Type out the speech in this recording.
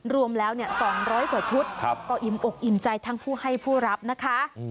รวมแล้ว๒๐๐กว่าชุดก็อิ่มอกอิ่มใจทั้งผู้ให้ผู้รับนะคะ